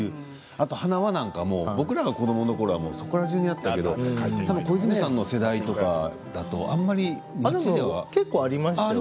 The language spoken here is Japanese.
あと花輪なんかも僕らの子どものころはそこら中にあったけれどもたぶん小泉さんの世代だとあまり街には。結構ありましたよ。